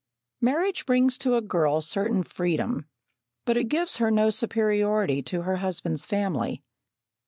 Marriage brings to a girl certain freedom, but it gives her no superiority to her husband's family.